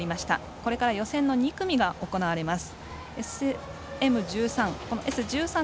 これから予選の２組が行われます。